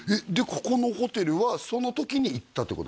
ここのホテルはその時に行ったってことですか？